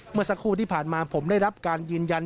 เมื่อสักครู่ที่ผ่านมาผมได้รับการยืนยัน